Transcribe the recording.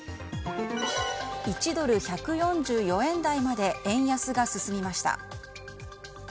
１ドル＝１４４円台まで円安が進みました。